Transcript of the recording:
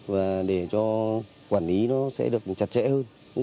và để cho quản lý nó sẽ được chặt chẽ hơn